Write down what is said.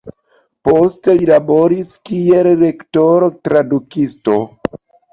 Poste li laboris kiel lektoro, tradukisto.